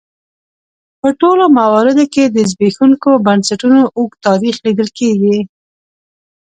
په ټولو مواردو کې د زبېښونکو بنسټونو اوږد تاریخ لیدل کېږي.